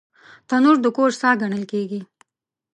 تنور د کور ساه ګڼل کېږي